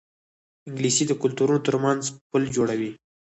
انګلیسي د کلتورونو ترمنځ پل جوړوي